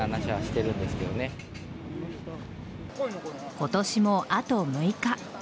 今年もあと６日。